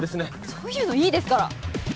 そういうのいいですから。